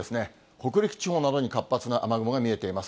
北陸地方などに活発な雨雲が見えています。